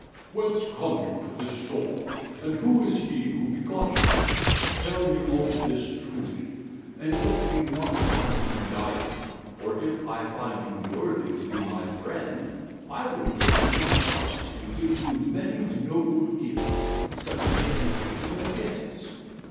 Whence come you to this shore, and who is he who begot you? Tell me all this truly and let me not find you lying. For if I find you worthy to be my friend, I will take you to my house and give you many noble gifts such as men give to their guests.